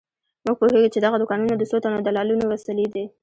موږ پوهېږو چې دغه دوکانونه د څو تنو دلالانو وسیلې دي.